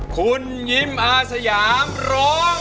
คุณยิ้มอาสยามร้อง